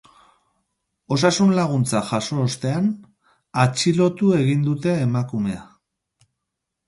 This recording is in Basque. Osasun-laguntza jaso ostean, atxilotu egin dute emakumea.